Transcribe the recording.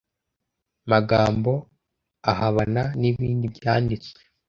magambo ahabana n'ibindi byanditswe